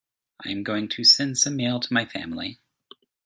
I am going to send some mail to my family.